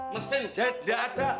mesin jahit gak ada